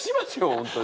本当に。